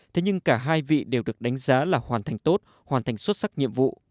thế nhưng cả hai vị đều được đánh giá là hoàn thành tốt hoàn thành xuất sắc nhiệm vụ